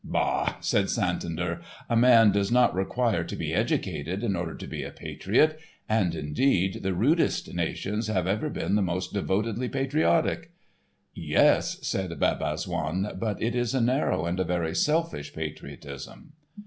"Bah!" said Santander, "a man does not require to be educated in order to be a patriot. And, indeed, the rudest nations have ever been the most devotedly patriotic." "Yes," said Bab Azzoun, "but it is a narrow and a very selfish patriotism."